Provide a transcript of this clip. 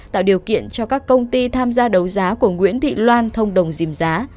tạo điều kiện cho các công ty tham gia đấu giá của nguyễn thị loan thông đồng dìm giá